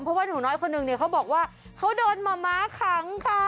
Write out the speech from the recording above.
เพราะว่าหนูน้อยคนหนึ่งเนี่ยเขาบอกว่าเขาโดนหมาม้าขังค่ะ